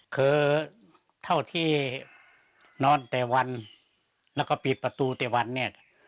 คือเท่าที่นอนแต่วันแล้วก็ปิดประตูแต่วันเนี่ย